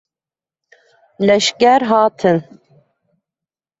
Leşger hatin.